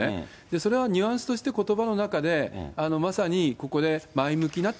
それはニュアンスとしてことばの中で、まさにここで前向きなって